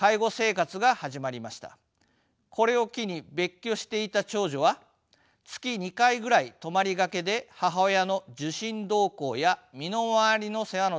これを機に別居していた長女は月２回ぐらい泊まりがけで母親の受診同行や身の回りの世話のために介護することになったのです。